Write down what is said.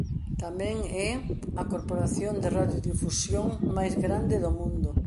Tamén é a corporación de radiodifusión máis grande do mundo.